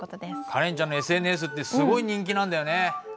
カレンちゃんのＳＮＳってすごい人気なんだよね。